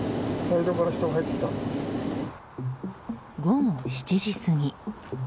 午後７時過ぎ。